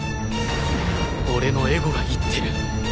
俺のエゴが言ってる。